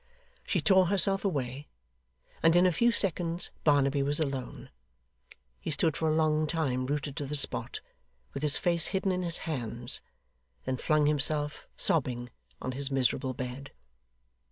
She tore herself away, and in a few seconds Barnaby was alone. He stood for a long time rooted to the spot, with his face hidden in his hands; then flung himself, sobbing, on his miserable bed.